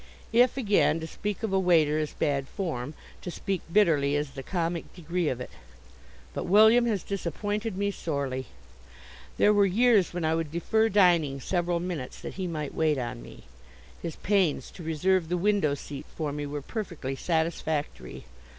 If, again, to speak of a waiter is bad form, to speak bitterly is the comic degree of it. But William has disappointed me sorely. There were years when I would defer dining several minutes that he might wait on me. His pains to reserve the window seat for me were perfectly satisfactory.